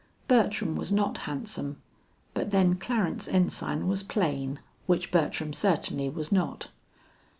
Bertram was not handsome, but then Clarence Ensign was plain, which Bertram certainly was not.